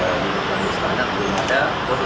tetapi bisa saja ada legenda ini berkembang